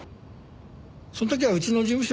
その時はうちの事務所